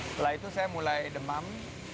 setelah itu saya mulai demam